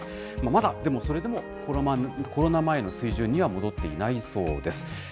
まだでもそれでも、コロナ前の水準には戻っていないそうです。